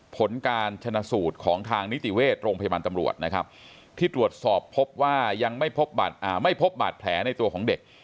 ผลการชนะสูตรของทางนิติเวชโรงพยาบาลตำรวจนะครับที่ตรวจสอบพบว่ายังไม่พบบาดแผลในตัวของเด็ก